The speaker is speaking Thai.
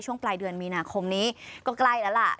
ปลายเดือนมีนาคมนี้ก็ใกล้แล้วล่ะ